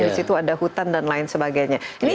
di situ ada hutan dan lain sebagainya